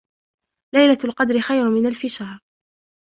ليلة القدر خير من ألف شهر